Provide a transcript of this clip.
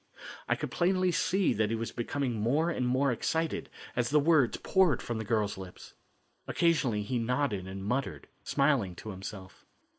I could plainly see that he was becoming more and more excited as the words poured from the girl's lips. Occasionally he nodded and muttered, smiling to himself.